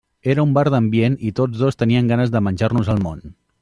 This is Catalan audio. Era un bar d'ambient i tots dos teníem ganes de menjar-nos el món.